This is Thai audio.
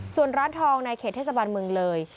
ส่วนร้านทองในเขตเทศบาลเมืองเลย